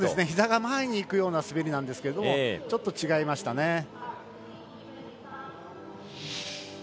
ひざが前に行くような滑りなんですけれどもちょっと違いましたね。